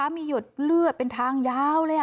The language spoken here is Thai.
มีหยดเลือดเป็นทางยาวเลย